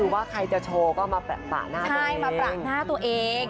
ว่าใครจะโชว์ก็มาประหน้าตัวเอง